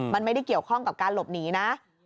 มันไม่ได้เกี่ยวข้องกับการหลบหนีนะ